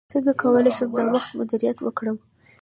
څنګه کولی شم د وخت مدیریت وکړم